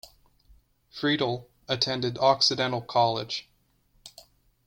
Friedle attended Occidental College.